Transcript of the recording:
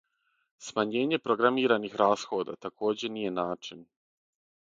Смањење програмираних расхода такође није начин.